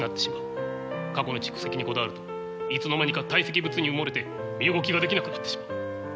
過去の蓄積にこだわるといつの間にか堆積物に埋もれて身動きができなくなってしまう。